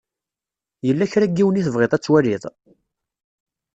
Yella kra n yiwen i tebɣiḍ ad twaliḍ?